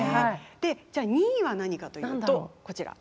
でじゃあ２位は何かというとこちら。